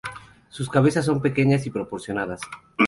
Sus cabezas son pequeñas y proporcionadas.